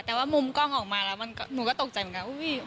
แต่ว่ามุมกล้องออกมาแล้วหนูก็ตกใจเหมือนกัน